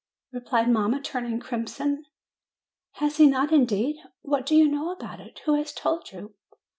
1 ' replied mamma, turning crimson. "Has he not indeed! What do you know about it? Who has told you?"